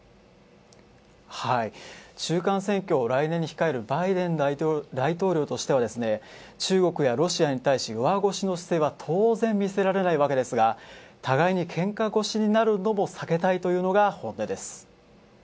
中間選挙を来年に控えるバイデン大統領としては中国やロシアに対して弱腰の姿勢は当然見せられないわけですが、互いにけんか腰になるのも避けたいというのが本音です。